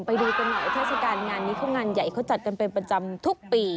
ไปดูกันหน่อยเทศกาลงานนี้เขางานใหญ่เขาจัดกันเป็นประจำทุกปี